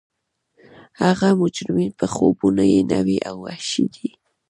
هغه مجرمین چې خوبونه یې نوي او وحشي دي